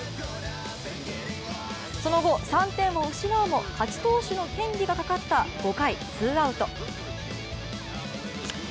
その後、３点を失うも勝ち投手の権利がかかった５回ツーアウト。